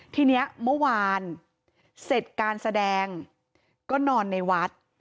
ทีนี้เมื่อวานเสร็จการแสดงก็นอนในวัด